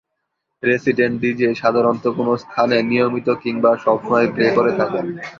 Resident DJ সাধারণত কোনো স্থানে নিয়মিত কিংবা সবসময় প্লে করে থাকেন।